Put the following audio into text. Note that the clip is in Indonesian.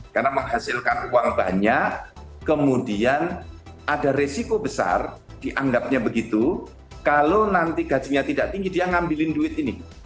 karena menghasilkan uang banyak kemudian ada resiko besar dianggapnya begitu kalau nanti gajinya tidak tinggi dia ngambilin duit ini